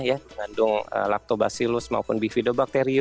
mengandung lactobacillus maupun bifidobacteriut